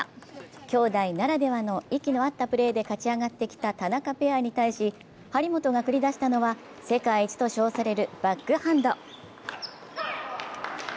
きょうだいならではの息の合ったプレーで勝ち上がってきた田中ペアに対し、張本が繰り出したのは世界一と称されるバックハンド。